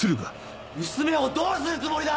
娘をどうするつもりだ！